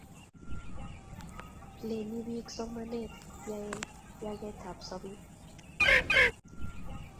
lenei biik somanee ya yatekab sobee.